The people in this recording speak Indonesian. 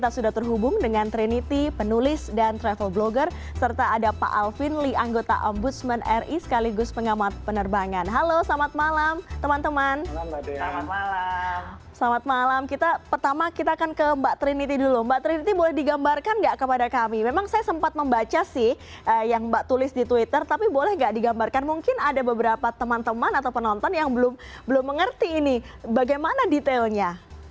selamat malam pertama kita akan ke mbak trinity dulu mbak trinity boleh digambarkan nggak kepada kami memang saya sempat membaca sih yang mbak tulis di twitter tapi boleh nggak digambarkan mungkin ada beberapa teman teman atau penonton yang belum mengerti ini bagaimana detailnya